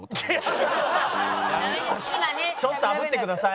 ちょっとあぶってください。